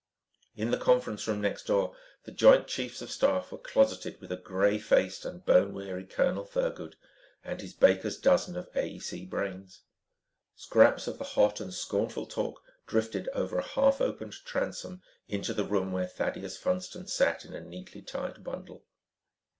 In the conference room next door, the joint chiefs of staff were closeted with a gray faced and bone weary Colonel Thurgood and his baker's dozen of AEC brains. Scraps of the hot and scornful talk drifted across a half opened transom into the room where Thaddeus Funston sat in a neatly tied bundle.